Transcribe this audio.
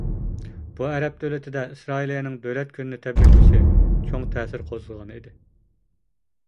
بۇ ئەرەب دۆلىتىدە ئىسرائىلىيەنىڭ دۆلەت كۈنىنى تەبرىكلىشى چوڭ تەسىر قوزغىغان ئىدى.